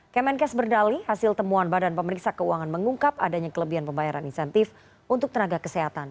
kemenkes berdali hasil temuan badan pemeriksa keuangan mengungkap adanya kelebihan pembayaran insentif untuk tenaga kesehatan